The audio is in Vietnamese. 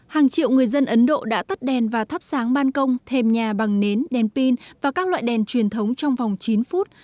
hàng triệu người dân ấn độ đã tắt đèn và thắp sáng ban công thêm nhà bằng nến đèn pin và các loại đèn truyền thống trong vòng chín phút